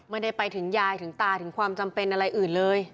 ไม่ได้ไปถึงยายถึงตาถึงความจำเป็นอะไรอื่นเลย